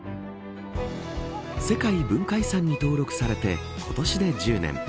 世界文化遺産に登録されて今年で１０年。